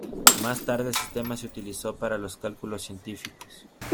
Más tarde, el sistema se utilizó para los cálculos científicos.